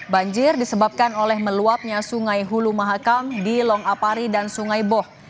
banjir disebabkan oleh meluapnya sungai hulu mahakam di long apari dan sungai boh